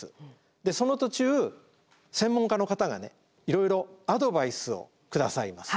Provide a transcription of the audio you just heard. でその途中専門家の方がいろいろアドバイスを下さいます。